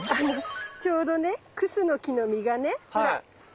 ちょうどねクスノキの実がねほら落ちてたので。